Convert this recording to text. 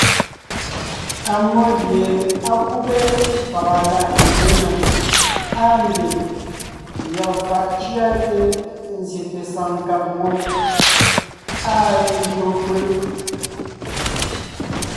Ammó gie á kúbe pàga láʼ mbyěnèm, áa ngie yɔɔn fàʼ cʉate nzyete saŋ kàg ngwóŋ, áa lelÿò fʉ̀ʼ.